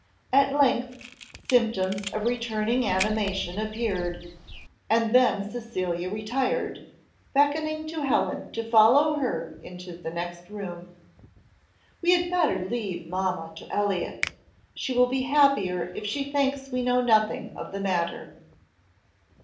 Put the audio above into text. At length symptoms of returning animation appeared, and then Cecilia retired, beckoning to Helen to follow her into the next room. "We had better leave mamma to Elliott, she will be happier if she thinks we know nothing of the matter."